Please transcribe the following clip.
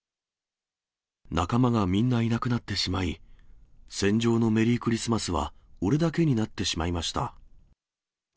仲間がみんないなくなってしまい、戦場のメリークリスマスは俺だけになってしまいました。